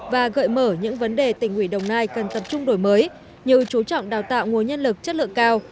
và gợi mở những vấn đề tỉnh ủy đồng nai cần tập trung đổi mới như chú trọng đào tạo nguồn nhân lực chất lượng cao